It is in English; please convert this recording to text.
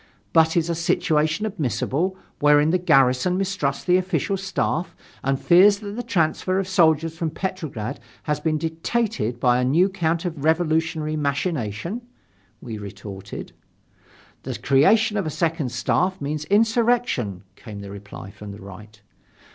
"But is a situation admissible, wherein the garrison mistrusts the official staff and fears that the transfer of soldiers from Petrograd has been dictated by a new counter revolutionary machination?" we retorted. "The creation of a second staff means insurrection," came the reply from the Right.